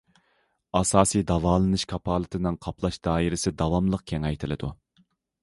ئاساسىي داۋالىنىش كاپالىتىنىڭ قاپلاش دائىرىسى داۋاملىق كېڭەيتىلىدۇ.